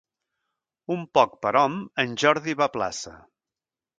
Un poc per hom, en Jordi va a plaça.